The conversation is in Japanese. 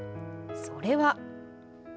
それは。